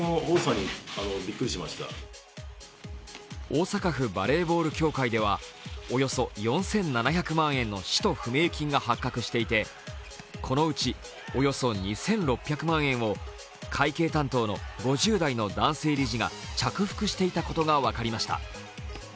大阪府バレーボール協会ではおよそ４７００万円の使途不明金が発覚していてこのうちおよそ２６００万円を会計担当の５０代の男性理事が着服していたことが分かりました。